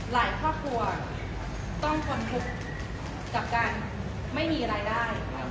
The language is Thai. หลายครอบครัวต้องผ่อนพุกกับการไม่มีรายได้ค่ะ